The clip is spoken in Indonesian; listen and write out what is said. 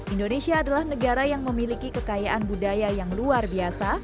indonesia adalah negara yang memiliki kekayaan budaya yang luar biasa